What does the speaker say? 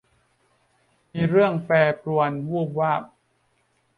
มีเรื่องแปรปรวนวูบวาบ